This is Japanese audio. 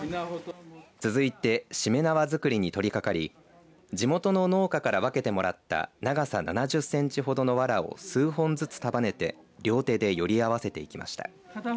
続いてしめ縄作りに取りかかり地元の農家から分けてもらった長さ７０センチほどのわらを数本ずつ束ねて両手でより合わせていきました。